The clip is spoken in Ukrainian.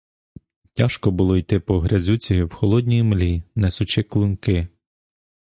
Тяжко було йти по грязюці в холодній млі, несучи клунки.